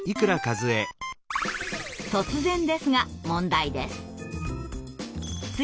突然ですが問題です。